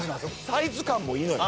サイズ感もいいのよ